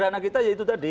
sederhana kita ya itu tadi